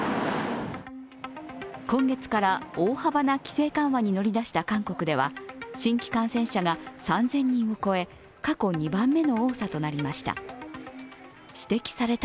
今月から大幅な規制緩和に乗り出した韓国では新規感染者が３０００人を超え過去２番目の多さとなりました。